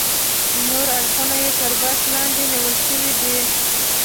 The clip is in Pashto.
نور اړخونه تر بحث لاندې نیول شوي دي.